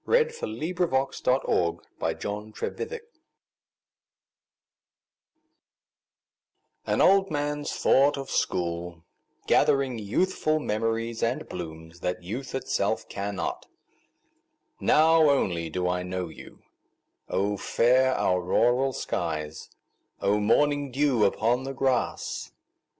An Old Man's Thought of School AN old man's thought of School; An old man, gathering youthful memories and blooms, that youth itself cannot. Now only do I know you!O fair auroral skies! O morning dew upon the grass!